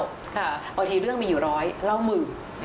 บางทีเรื่องมีอยู่ร้อยเล่าหมื่น